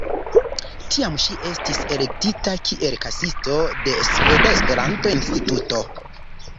Tiam ŝi estis elektita kiel kasisto de Sveda Esperanto-Instituto.